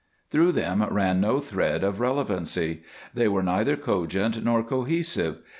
Through them ran no thread of relevancy. They were neither cogent nor cohesive.